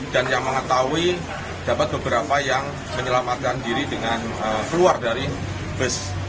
dan yang mengetahui dapat beberapa yang menyelamatkan diri dengan keluar dari bus